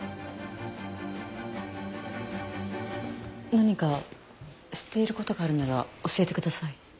何か知っていることがあるなら教えてください。